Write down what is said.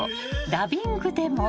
ダビングでも］